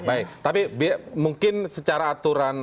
baik tapi mungkin secara aturan